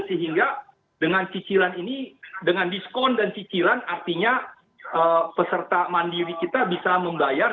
sehingga dengan cicilan ini dengan diskon dan cicilan artinya peserta mandiri kita bisa membayar